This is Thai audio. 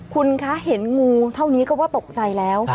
คุณคะเห็นงูเท่านี้ก็ว่าตกใจแล้ว